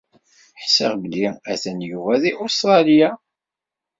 Ḥṣiɣ belli atan Yuba di Ustralya.